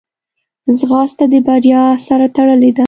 ځغاسته د بریا سره تړلې ده